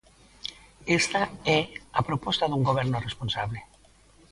Esta é a proposta dun goberno responsable.